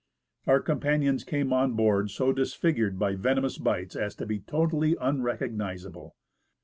Our companions came on board so disfigured by venomous bites as to be totally unrecognisable.